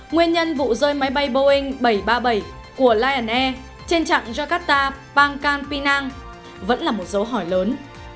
nguyên nhân vụ rơi máy bay boeing bảy trăm ba mươi bảy của lion air trên trạng jakarta bang canpinang vẫn là một dấu hỏi lớn